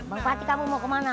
bang fatih kamu mau kemana